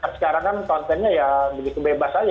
sekarang kan kontennya ya begitu bebas aja